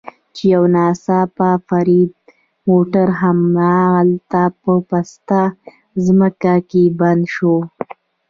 چې یو ناڅاپه د فرید موټر همالته په پسته ځمکه کې بند شو.